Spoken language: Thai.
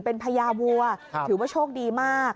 เป็นพญาวัวถือว่าโชคดีมาก